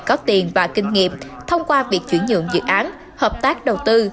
có tiền và kinh nghiệm thông qua việc chuyển nhượng dự án hợp tác đầu tư